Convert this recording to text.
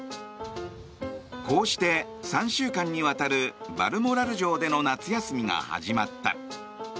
こうして、３週間にわたるバルモラル城での夏休みが始まった。